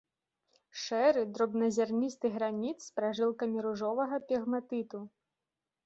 Шэры дробназярністы граніт з пражылкамі ружовага пегматыту.